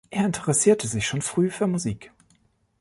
Er interessierte sich schon früh für Musik.